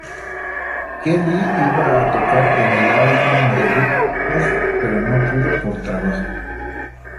Kelley iba a tocar en el álbum debut, "Pod", pero no pudo por trabajo.